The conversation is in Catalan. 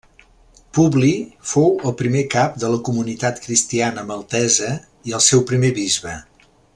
Publi fou el primer cap de la comunitat cristiana maltesa, i el seu primer bisbe.